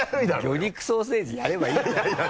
魚肉ソーセージやればいいじゃんお前。